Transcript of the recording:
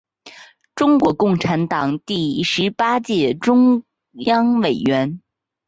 中国共产党第十八届中央委员。